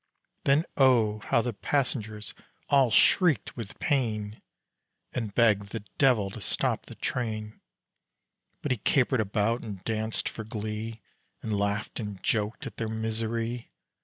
Then oh, how the passengers all shrieked with pain And begged the devil to stop the train. But he capered about and danced for glee And laughed and joked at their misery.